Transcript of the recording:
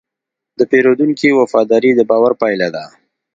د پیرودونکي وفاداري د باور پايله ده.